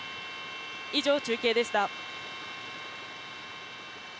以上、中継でした。